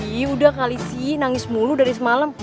wih udah kali sih nangis mulu dari semalam